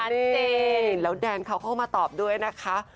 แพตตี้แล้วแดนเขาก็เข้ามาตอบด้วยนะคะ